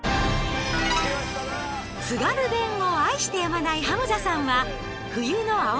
津軽弁を愛してやまないハムザさんは冬の青森県で。